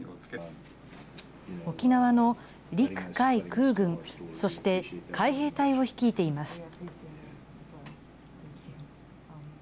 沖縄の陸・海・空軍そして、海兵隊を率いています。